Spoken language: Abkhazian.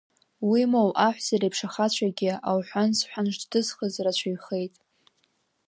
Уимоу, аҳәса реиԥш, ахацәагьы ауҳәан-сҳәан шьҭызхыз рацәаҩхеит.